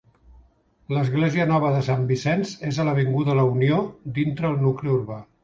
L'església nova de Sant Vicenç és a l'avinguda La Unió, dins el nucli urbà.